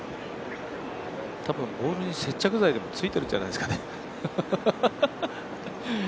たぶんボールに接着剤でもついているんじゃないですかね。